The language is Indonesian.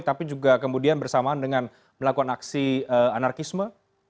tapi juga kemudian bersamaan dengan melakukan aksi anarkisme